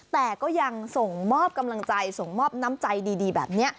แต่ก็ยังส่งมอบกำลังใจส่งมอบน้ำใจดีแบบนี้